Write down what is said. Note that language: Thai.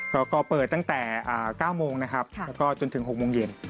ก็เปิดตั้งแต่๙โมงนะครับแล้วก็จนถึง๖โมงเย็น